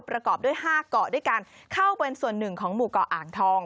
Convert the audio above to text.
ประกอบด้วย๕เกาะด้วยการเข้าเป็นส่วนหนึ่งของหมู่เกาะอ่างทอง